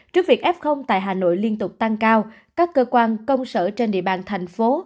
trước việc f tại hà nội liên tục tăng cao các cơ quan công sở trên địa bàn thành phố